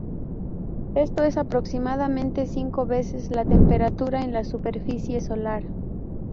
Esto es aproximadamente cinco veces la temperatura en la superficie solar.